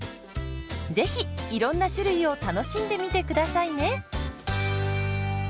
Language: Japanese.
是非いろんな種類を楽しんでみて下さいね。